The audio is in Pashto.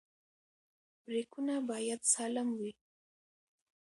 برېکونه باید سالم وي.